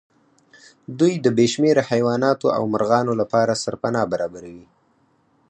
دوی د بې شمېره حيواناتو او مرغانو لپاره سرپناه برابروي.